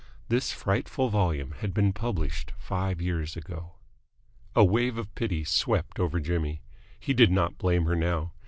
This frightful volume had been published five years ago. A wave of pity swept over Jimmy. He did not blame her now.